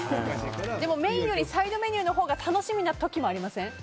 でもメインよりサイドメニューのほうが楽しみのことがありません？